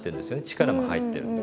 力も入ってる。